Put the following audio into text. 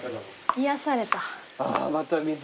癒やされた。